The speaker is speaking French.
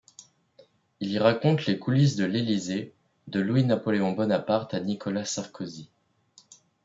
Il y raconte les coulisses de l'Élysée, de Louis-Napoléon Bonaparte à Nicolas Sarkozy.